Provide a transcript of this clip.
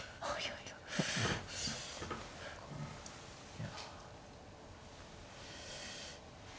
いや。